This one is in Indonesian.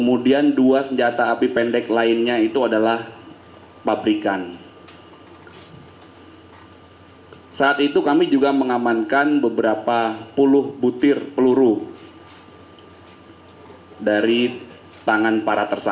masalahnya kita harus menghafal sesuatu yine baginya yang beriti ke ya tuhan hai kristus